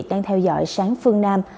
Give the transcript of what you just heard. đang theo dõi sáng phương nam